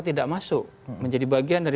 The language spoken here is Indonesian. tidak masuk menjadi bagian dari